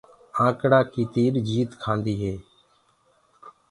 آنڪڙآ مي ٽيڏو جيت ڪآندو هي۔